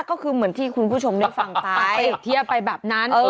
ก็คือเหมือนที่คุณผู้ชมได้ฟังไปเปรียบเทียบไปแบบนั้น